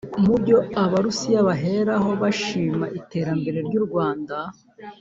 Mubyo Abarusiya baheraho bashima iterambere ry’u Rwanda